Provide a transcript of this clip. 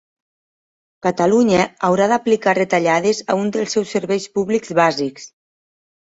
Catalunya haurà d'aplicar retallades a un dels seus serveis públics bàsics